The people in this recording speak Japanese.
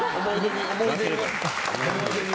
思い出に。